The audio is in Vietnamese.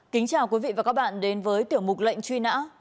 kính chào quý vị và các bạn đến với tiểu mục lệnh truy nã